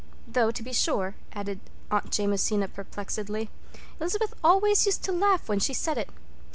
Though, to be sure," added Aunt Jamesina perplexedly, "Elizabeth always used to laugh when she said it.